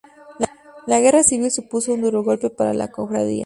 La Guerra Civil supuso un duro golpe para la cofradía.